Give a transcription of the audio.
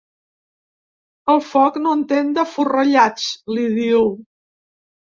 El foc no entén de forrellats, li diu.